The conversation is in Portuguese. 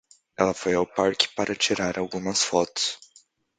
Ela foi ao parque para tirar algumas fotos.